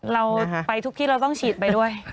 เราไปทุกที่เราต้องฉีดไปด้วย